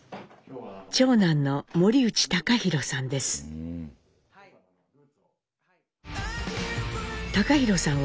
長男の森内貴寛さんです。